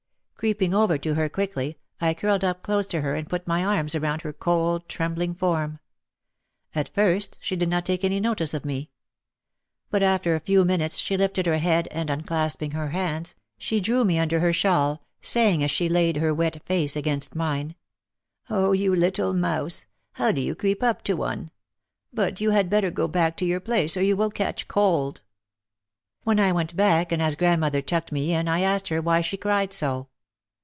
Creeping over to her quickly I curled up close to her and put my arms around her cold, trembling form. At first she did not take any notice of me. But after a few minutes she lifted her head and unclasping her hands, she drew me under her shawl, saying as she laid her wet face against mine, "Oh, you little mouse, how you do creep up to one! But you had better go back to your place or you will catch cold. ,, When I went back and as grandmother tucked me in, I asked her why she cried so.